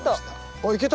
あいけた？